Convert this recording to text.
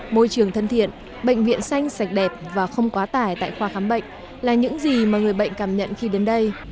môi trường thân thiện bệnh viện xanh sạch đẹp và không quá tải tại khoa khám bệnh là những gì mà người bệnh cảm nhận khi đến đây